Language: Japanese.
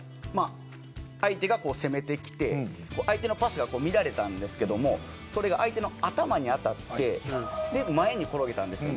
相手が攻めてきて相手のパスが乱れたんですけどそれが相手の頭に当たって前に転げたんです。